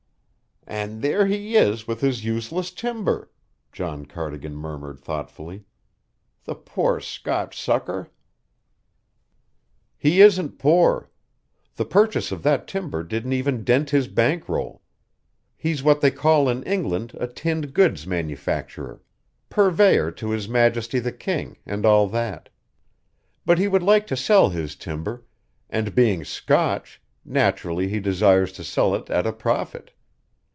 "And there he is with his useless timber!" John Cardigan murmured thoughtfully. "The poor Scotch sucker!" "He isn't poor. The purchase of that timber didn't even dent his bank roll. He's what they call in England a tinned goods manufacturer purveyor to His Majesty the King, and all that. But he would like to sell his timber, and being Scotch, naturally he desires to sell it at a profit.